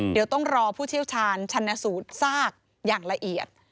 เดี๋ยวต้องรอผู้เชี่ยวชาญชันสูตรซากอย่างละเอียด